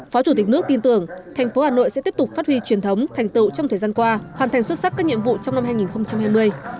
phó chủ tịch nước tin tưởng thành phố hà nội sẽ tiếp tục phát huy truyền thống thành tựu trong thời gian qua hoàn thành xuất sắc các nhiệm vụ trong năm hai nghìn hai mươi